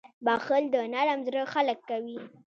• بښل د نرم زړه خلک کوي.